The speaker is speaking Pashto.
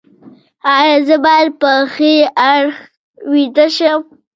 ایا زه باید په ښي اړخ ویده شم؟